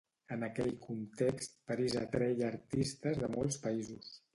En aquell context, París atreia artistes de molts països.